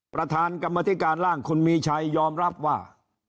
ประธานกรรมธิการร่างคุณมีชัยยอมรับว่า